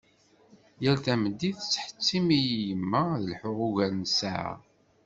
Yal tameddit tettḥettim-iyi yemma ad lḥuɣ ugar n ssaɛa.